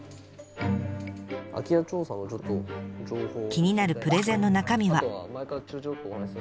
気になるプレゼンの中身は。